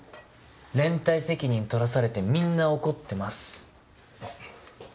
連帯責任取らされてみんな怒ってます。